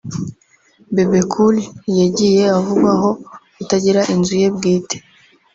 Bebe Cool yagiye avugwaho kutagira inzu ye bwite